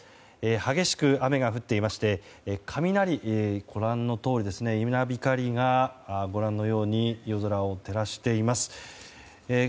激しく雨が降っていまして雷、稲光がご覧のように夜空を照らしています。